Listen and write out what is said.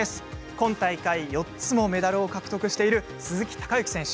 今大会４つものメダルを獲得している鈴木孝幸選手。